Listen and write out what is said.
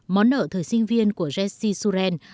món nợ thời sinh viên của jesse suren